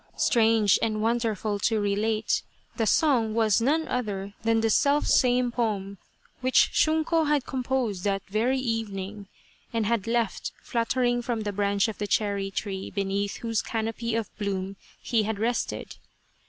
Strange and wonderful to relate, the song was none other than the self same poem which Shunko had composed that very evening, and had left fluttering from the branch of the cherry tree beneath whose canopy of bloom he had rested.